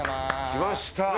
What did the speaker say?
来ました！